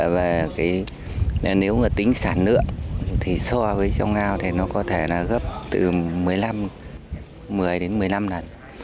và nếu mà tính sản lượng thì so với trong ao thì nó có thể là gấp từ một mươi đến một mươi năm lần